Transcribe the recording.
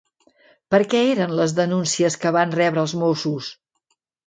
Per què eren les denúncies que van rebre els Mossos?